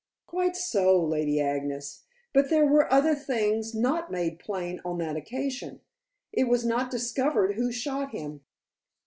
"Quite so, Lady Agnes, but there were other things not made plain on that occasion. It was not discovered who shot him."